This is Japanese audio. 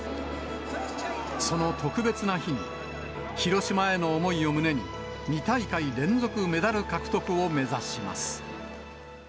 その特別な日に、広島への思いを胸に、２大会連続メダル獲得を目指します。